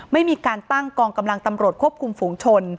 ไม่มีการตั้งกองกำลังตำรวจควบคุมฝูงชน